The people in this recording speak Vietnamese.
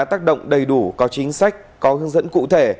tác động đầy đủ có chính sách có hướng dẫn cụ thể